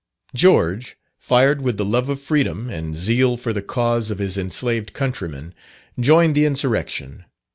George, fired with the love of freedom, and zeal for the cause of his enslaved countrymen, joined the insurrection.